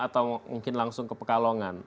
atau mungkin langsung ke pekalongan